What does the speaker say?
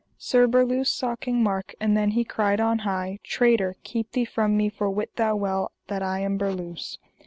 Sir Berluse saw King Mark, and then he cried on high: Traitor, keep thee from me for wit thou well that I am Berluse.